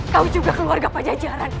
kau juga keluarga pajajaran